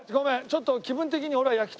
ちょっと気分的に。